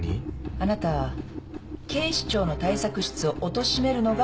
「あなた警視庁の対策室をおとしめるのが目的なんでしょう？